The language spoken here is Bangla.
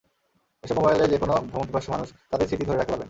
এসব মোবাইলে যেকোনো ভ্রমণ পিপাসু মানুষ তাঁদের স্মৃতি ধরে রাখতে পারবেন।